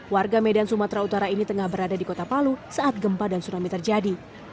warga medan sumatera utara ini tengah berada di kota palu saat gempa dan tsunami terjadi